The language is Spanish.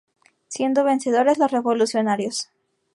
Siendo vencedores los revolucionarios.